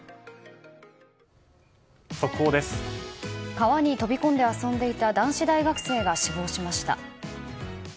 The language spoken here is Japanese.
川に飛び込んで遊んでいた男子大学生が死亡しました。